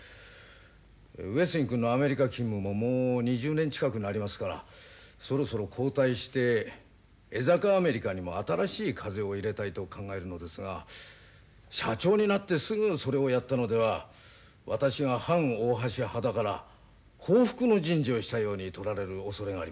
上杉君のアメリカ勤務ももう２０年近くになりますからそろそろ交代して江坂アメリカにも新しい風を入れたいと考えるのですが社長になってすぐそれをやったのでは私が反大橋派だから報復の人事をしたように取られるおそれがあります。